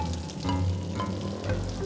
neng aku mau ke sana